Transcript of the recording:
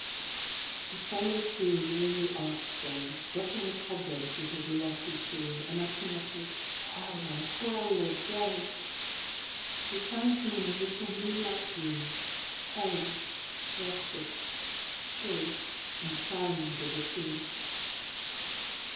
XIII.He follow'd through a lowly arched way, Brushing the cobwebs with his lofty plume; And as she mutter'd "Well a—well a day!"He found him in a little moonlight room, Pale, lattic'd, chill, and silent as a tomb.